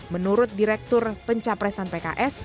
menurut direktur pencapresan pks